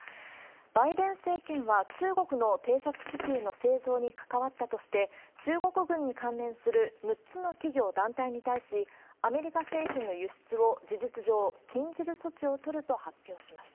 バイデン政権は、中国の偵察気球の製造に関わったとして、中国軍に関連する６つの企業、団体に対し、アメリカ製品の輸出を事実上禁じる措置を取ると発表しました。